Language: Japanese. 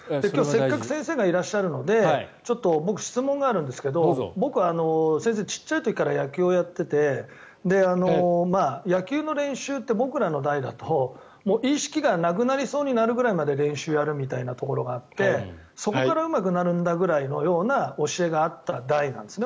せっかく先生がいらっしゃるのでちょっと僕、質問があるんですが僕は小さい時から野球をやっていて野球の練習って僕らの代だと意識がなくなりそうになるまで練習をやるみたいなところがあってそこからうまくなるんだみたいな教えがあった代なんです。